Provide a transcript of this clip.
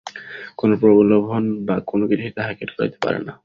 কোন প্রলোভন বা কোনকিছুই তাঁহাকে টলাইতে পারে না।